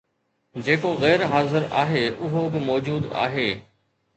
جيڪو غير حاضر آهي اهو به موجود آهي